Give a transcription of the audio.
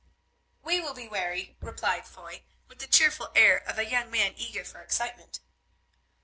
"We will be wary," replied Foy, with the cheerful air of a young man eager for excitement.